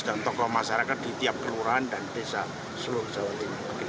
dan tokoh masyarakat di tiap kelurahan dan desa seluruh jawa timur